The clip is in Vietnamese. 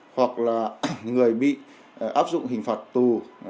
hoặc là người bị áp dụng hình phạt tù